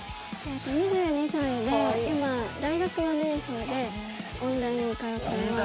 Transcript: ２２歳で今大学４年生で音大に通ってます。